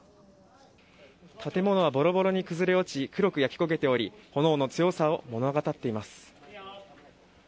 建物はボロボロに崩れ落ち黒く焼け焦げており炎の強さを物語っています。